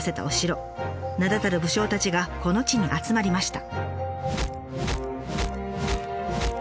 名だたる武将たちがこの地に集まりました。